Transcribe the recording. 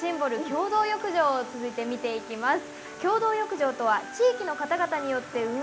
「共同浴場」を続いて見ていきます。